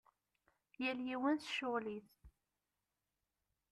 Yal yiwen s ccɣel-is.